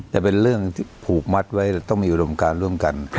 จะเป็นเรื่องผูกมัดไว้ต้องมีอุดมการร่วมกัน